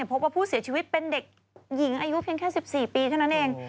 พบว่าผู้เสียชีวิตเป็นเด็กหญิงอายุเพียงแค่๑๔ปีเท่านั้นเอง